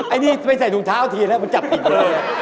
ไอ้นี่ไปใส่ถุงเท้าทีแล้วมันจับผิดเลย